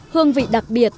hương vị đặc biệt